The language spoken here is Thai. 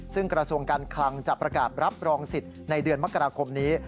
ซึ่งกระทรวงการคลังจะประกาศรับรองสิทธิ์ในเดือนมกราคมนี้